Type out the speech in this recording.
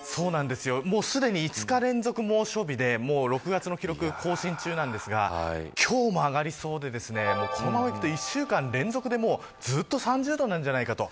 すでに５日連続猛暑日で６月の記録更新中ですが今日も上がりそうでこのままいくと、１週間連続でずっと３０度なんじゃないかと。